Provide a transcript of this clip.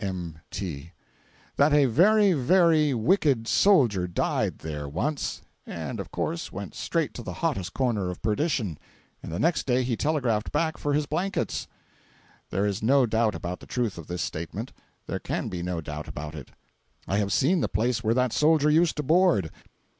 —M. T.]) that a very, very wicked soldier died there, once, and of course, went straight to the hottest corner of perdition,—and the next day he telegraphed back for his blankets. There is no doubt about the truth of this statement—there can be no doubt about it. I have seen the place where that soldier used to board.